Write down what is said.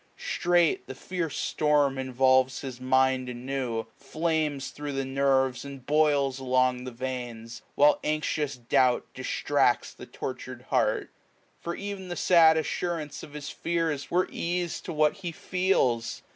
Straight the fierce storm involves his mind anew, n oq Flames thro' the nerves, and boUs along the veins ; While anxious doubt distracta the tortur'd heart : For ev'n the sad assurance o£ his feara Were ease to what he feels.